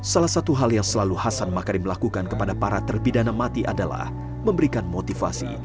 salah satu hal yang selalu hasan makarim melakukan kepada para terpidana mati adalah memberikan motivasi